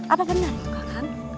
apa benar kakang